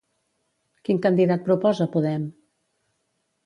Quin candidat proposa Podem?